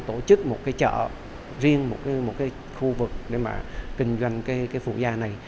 tổ chức một cái chợ riêng một cái khu vực để mà kinh doanh cái phụ gia này